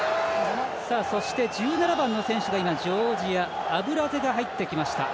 １７番の選手がジョージアアブラゼが入ってきました。